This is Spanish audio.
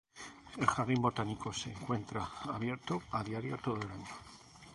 El jardín botánico se encuentra abierto a diario todo el año.